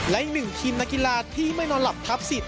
และอีกหนึ่งทีมนักกีฬาที่ไม่นอนหลับทับสิทธ